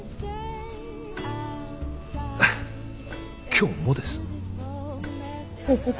「今日も」です。